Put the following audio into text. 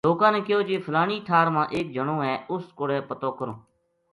لوکاں نے کہیو جی فلانی ٹھار ما ایک جنو ہے اُس کوڑے پتو کروں